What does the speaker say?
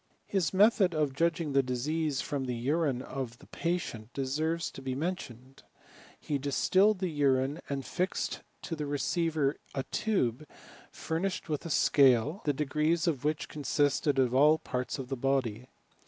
His method of judging of the diseases from the urine of the patient deserves to be mentioned. He distilled the urine, and fixed to the receiver a tube furnished with a scale, the degrees of which consisted of all the parts of the body.